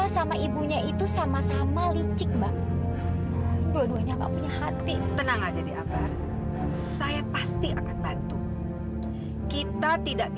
sampai jumpa di video selanjutnya